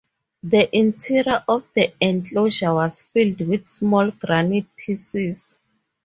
The interior of the enclosure was filled with small granite pieces.